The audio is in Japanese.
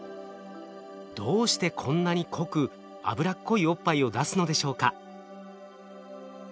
どうしてこんなに濃く脂っこいおっぱいを出すのでしょうか？